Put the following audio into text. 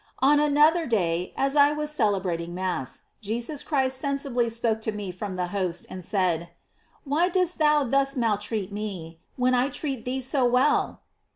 On another day, as I was celebrating Mass, Je eus Christ sensibly spoke to me from the host, and said: 'Why dost thou thus maltreat me, when I treat thee so well